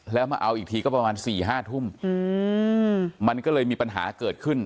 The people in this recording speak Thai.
แล้วมาเอาอีกทีก็ประมาณ๔๕ทุ่มมันก็เลยมีปัญหาเกิดขึ้น